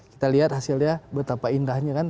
kita lihat hasilnya betapa indahnya kan